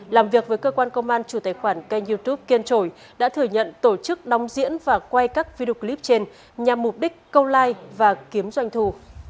làm việc với cơ quan công an chủ tài khoản kênh youtube kiên trội đã thừa nhận tổ chức đóng diễn và quay các video clip trên nhằm mục đích câu like và kiếm doanh thu